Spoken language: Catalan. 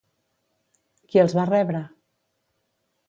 Qui els va rebre?